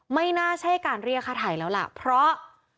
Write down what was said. ไม่น่าใช่การเรียกค่าไทยแล้วล่ะเพราะ